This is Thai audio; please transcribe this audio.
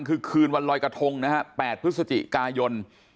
คือคืนวันลอยกระทงนะฮะ๘พฤศจิกายน